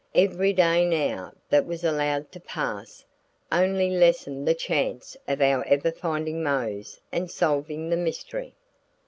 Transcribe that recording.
Every day now that was allowed to pass only lessened the chance of our ever finding Mose and solving the mystery.